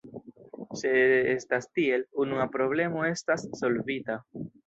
Se estas tiel, unua problemo estas solvita.